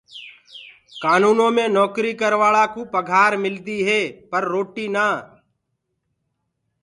ڪآنوُنو مي نوڪري ڪروآݪڪوُ پگھآر ملدي هي پر روٽي نآ۔